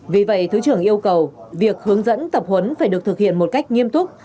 vì vậy thứ trưởng yêu cầu việc hướng dẫn tập huấn phải được thực hiện một cách nghiêm túc